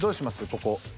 ここ。